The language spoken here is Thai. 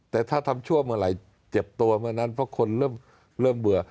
แต่ถ้าทำชั่วเมื่อไหร่เจ็บตัวเมื่อนั้นเพราะคนเริ่มเบื่อ